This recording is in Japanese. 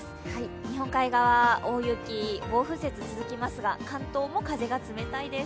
日本海側、大雪、暴風雪が続きますが関東も風が冷たいです。